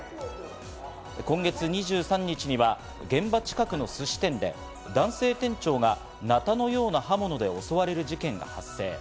今月２３日には現場近くのすし店で男性店長がなたのような刃物で襲われる事件が発生。